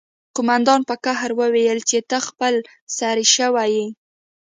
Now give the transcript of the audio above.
قومندان په قهر وویل چې ته خپل سری شوی یې